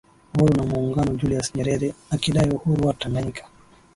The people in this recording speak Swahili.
Uhuru na Muungano Julius Nyerere akidai uhuru wa Tanganyika